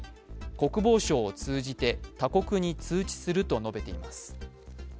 国防省を通じて他国に通知すると述べています。